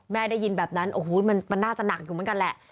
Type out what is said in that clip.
ได้ยินแบบนั้นโอ้โหมันน่าจะหนักอยู่เหมือนกันแหละ